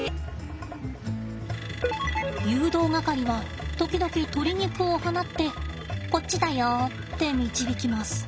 誘導係は時々鶏肉を放ってこっちだよって導きます。